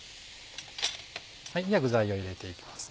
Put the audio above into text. では具材を入れて行きます